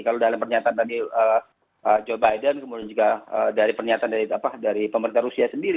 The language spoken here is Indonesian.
kalau dalam pernyataan tadi joe biden kemudian juga dari pernyataan dari pemerintah rusia sendiri